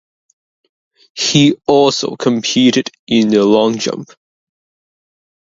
He also competed in the long jump.